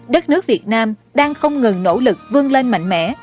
đất nước việt nam đang không ngừng nỗ lực vươn lên mạnh mẽ